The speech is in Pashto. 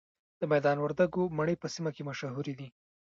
د میدان وردګو مڼې په سیمه کې مشهورې دي.